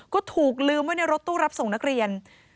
ก็ถูกลืมไว้ในรถตู้รับส่งนักเรียน